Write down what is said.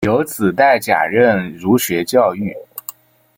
有子戴槚任儒学教谕。